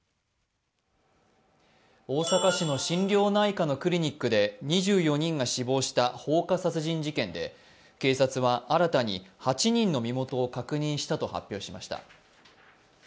大阪市の心療内科のクリニックで２４人が死亡した放火殺人事件で警察は新たに８人の身元を確認したと発表しました。